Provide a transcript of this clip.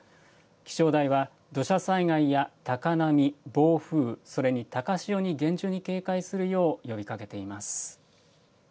気象台は土砂災害や高波、暴風、それに高潮に厳重に警戒するよう呼びかけています。